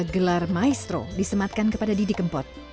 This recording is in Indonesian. gelar maestro disematkan kepada didi kempot